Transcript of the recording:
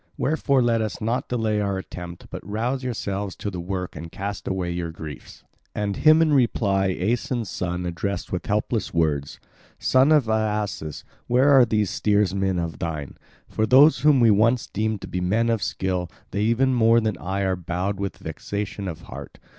Wherefore let us not delay our attempt, but rouse yourselves to the work and cast away your griefs." And him in reply Aeson's son addressed with helpless words: "Son of Aeacus, where are these steersmen of thine? For those whom we once deemed to be men of skill, they even more than I are bowed with vexation of heart.